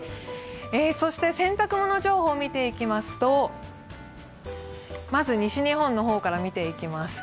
そして洗濯物情報を見ていきますとまず西日本の方から見ていきます。